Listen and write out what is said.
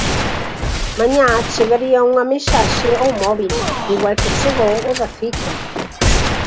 Mañá chegaría unha mensaxe ao móbil, igual que chegou o da cita.